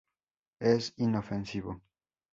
Es inofensivo.